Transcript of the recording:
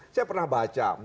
saya pernah baca